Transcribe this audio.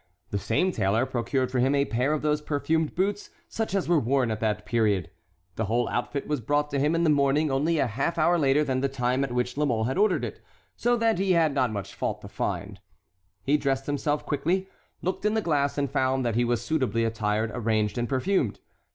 The same tailor procured for him a pair of those perfumed boots such as were worn at that period. The whole outfit was brought to him in the morning only a half hour later than the time at which La Mole had ordered it, so that he had not much fault to find. He dressed himself quickly, looked in the glass, and found that he was suitably attired, arranged, and perfumed.